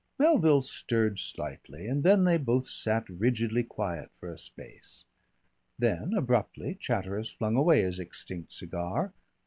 _" Melville stirred slightly and then they both sat rigidly quiet for a space. Then abruptly Chatteris flung away his extinct cigar.